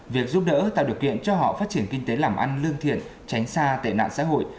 việc giúp đỡ tạo điều kiện cho họ phát triển kinh tế làm ăn lương thiện tránh xa tệ nạn xã hội